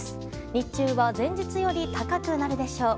日中は前日より高くなるでしょう。